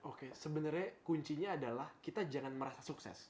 oke sebenarnya kuncinya adalah kita jangan merasa sukses